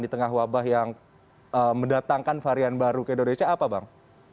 di tengah wabah yang mendatangkan varian baru ke indonesia apa bang